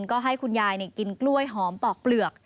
ก็ให้คุณยายกินกล้วยหอมปอกเปลือก